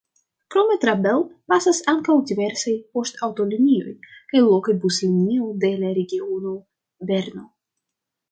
Krome tra Belp pasas ankaŭ diversaj poŝtaŭtolinioj kaj lokaj buslinio de la regiono Berno.